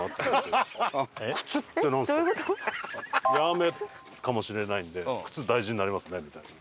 「雨かもしれないので靴大事になりますね」みたいな。